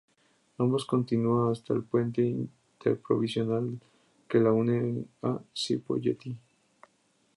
Ambos continúa hasta el puente interprovincial que la une a Cipolletti.